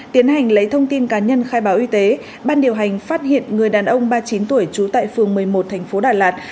tiến hành lấy thông tin cá nhân khai báo y tế ban điều hành phát hiện người đàn ông ba mươi chín tuổi trú tại phường một mươi một thành phố đà lạt